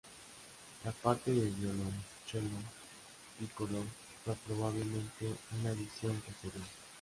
La parte de violonchelo "piccolo" fue probablemente una adición posterior.